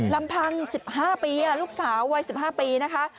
ลำพัง๑๕ปีลูกสาววัย๑๕ปีนะคะ